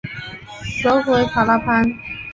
首府为卡拉潘。